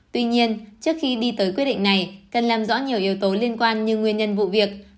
tuy nhiên trước khi đi tới quyết định này cần làm rõ nhiều yếu tố liên quan như nguyên nhân vụ việc